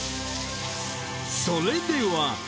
それでは。